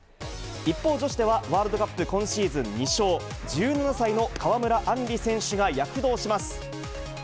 一方、女子ではワールドカップ今シーズン２勝、１７歳の川村あんり選手が躍動します。